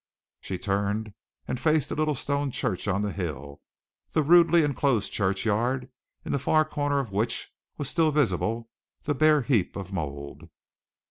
She turned and faced the little stone church on the hill, the rudely enclosed churchyard, in the far corner of which was still visible the bare heap of mould.